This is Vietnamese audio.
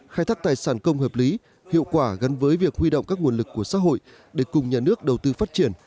khai thác tài sản công hợp lý hiệu quả gắn với việc huy động các nguồn lực của xã hội để cùng nhà nước đầu tư phát triển